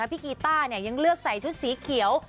กีต้ายังเลือกใส่ชุดสีเขียว